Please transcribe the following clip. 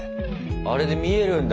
あれで見えるんだ。